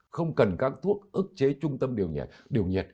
không cần các thuốc ức chế trung tâm điều nhiệt